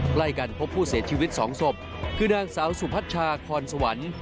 ใกล้กันพบผู้เสียชีวิตสองศพคือนางสาวสุพัชชาพรสวรรค์